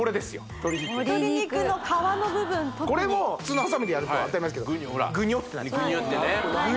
鶏肉鶏肉の皮の部分特にこれも普通のハサミでやると当たり前ですけどグニョってなります